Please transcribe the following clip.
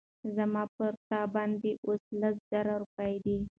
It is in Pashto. زما پر تا باندي اوس لس زره روپۍ دي